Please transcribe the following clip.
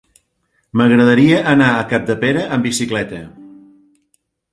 M'agradaria anar a Capdepera amb bicicleta.